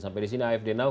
sampai di sini afd now